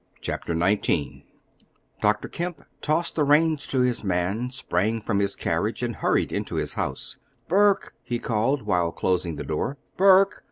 Chapter XIX Dr. Kemp tossed the reins to his man, sprang from his carriage, and hurried into his house. "Burke!" he called while closing the door, "Burke!"